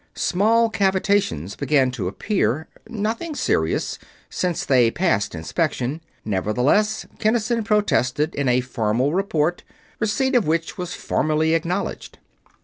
Small cavitations began to appear. Nothing serious, since they passed Inspection. Nevertheless, Kinnison protested, in a formal report, receipt of which was formally acknowledged.